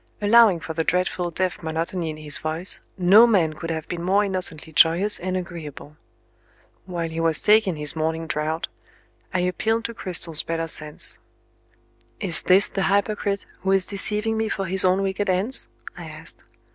Allowing for the dreadful deaf monotony in his voice, no man could have been more innocently joyous and agreeable. While he was taking his morning draught, I appealed to Cristel's better sense. "Is this the hypocrite, who is deceiving me for his own wicked ends?" I asked.